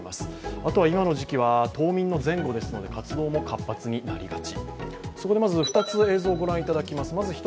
あとは今の時期は冬眠の前後ですので活動も活発になりがち。